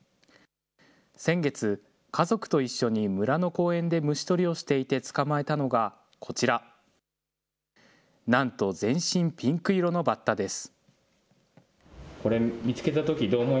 先月、家族と一緒に村の公園で虫捕りをしていて、捕まえたのが、こちら、なんと全身ピンク色のバッタです。